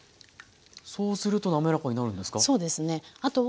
そうすると滑らかになるんですか？